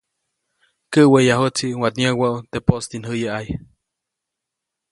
Käʼwejyajuʼtsi waʼat yä̃wäʼu teʼ poʼstinjäyäʼajy.